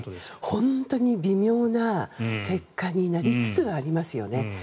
本当に微妙な結果になりつつありますよね。